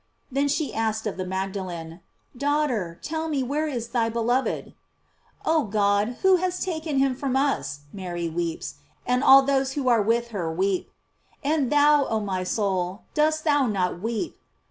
Then she asked of Magdalen: Daughter, tell me where is thy beloved ? Oh God ! who has taken him from us ? Mary weeps, and all those who are with her weep. And thou, oh my soul, dost thou not weep!